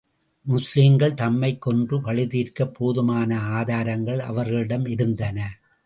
முஸ்லிம்கள் தம்மைக் கொன்று, பழி தீர்க்கப் போதுமான ஆதாரங்கள் அவர்களிடம் இருந்தன.